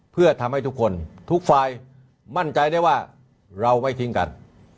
เพื่อทำให้ทุกคนทุกฝ่ายมั่นใจได้ว่าเราไม่ทิ้งกัน